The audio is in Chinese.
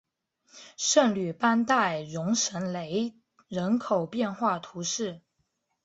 圣吕班代容什雷人口变化图示